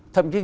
thậm chí dùng